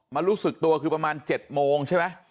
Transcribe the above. รู้สึกตัวคือประมาณ๗โมงใช่ไหม